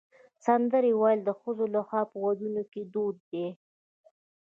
سندرې ویل د ښځو لخوا په ودونو کې دود دی.